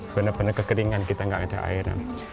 benar benar kekeringan kita nggak ada air